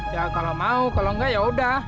ya kalau mau kalau enggak ya udah